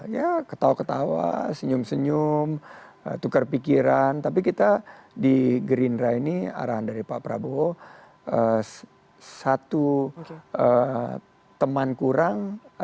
ya ketawa ketawa senyum senyum tukar pikiran tapi kita di gerindra ini arahan dari pak prabowo satu teman kurang atau seribu teman kurang satu musuh kebanyakan